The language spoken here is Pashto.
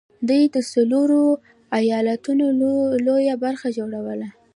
دوی د څلورو ايالتونو لويه برخه جوړوله